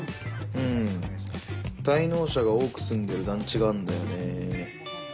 うん滞納者が多く住んでる団地があるんだよね。